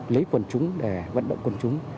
lấy quần chúng để vận động quần chúng